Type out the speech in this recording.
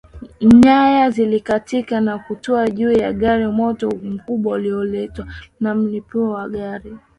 Nyaya zikakatika na kutua juu ya gari moto mkubwa ulioletwa na mlipuko wa gari